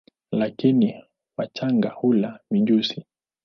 Lakini wachanga hula mijusi.